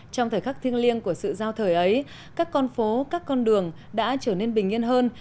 trong thời khắc thiêng liêng của sự giao thời ấy các con phố các con đường đã trở nên bình yên hơn